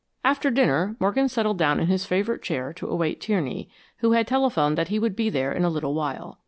After dinner Morgan settled down in his favorite chair to await Tierney, who had telephoned that he would be there in a little while.